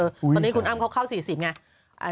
ตอนนี้คุณอ้ำเขาเข้า๔๐ไง